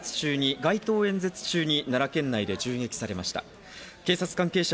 今日、安倍元総理が街頭演説中に奈良県内で銃撃されました。